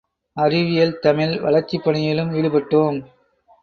அறிவியல் தமிழ் வளர்ச்சிப்பணியிலும் ஈடுபட்டோம்.